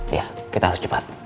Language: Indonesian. iya kita harus cepat